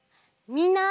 みんな！